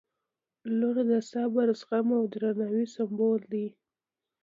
• لور د صبر، زغم او درناوي سمبول دی.